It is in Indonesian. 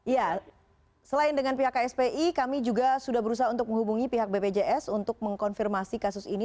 ya selain dengan pihak kspi kami juga sudah berusaha untuk menghubungi pihak bpjs untuk mengkonfirmasi kasus ini